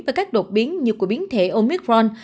với các đột biến như của biến thể omicron